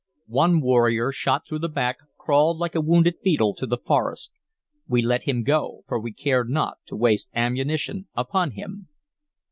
One warrior, shot through the back, crawled like a wounded beetle to the forest. We let him go, for we cared not to waste ammunition upon him.